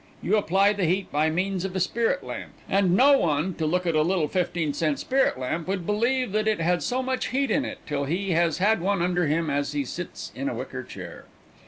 You apply the heat by means of a spirit lamp, and no one, to look at a little fifteen cent spirit lamp, would believe that it had so much heat in it till he has had one under him as he sits in a wicker chair.